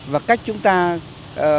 và cách chúng ta kinh doanh chúng ta đầu tư